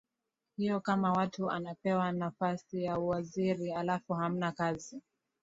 hiyo kama mtu anapewa nafasi ya uwaziri halafu hamna kazi